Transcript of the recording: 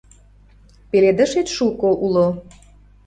Пеледышет шуко уло: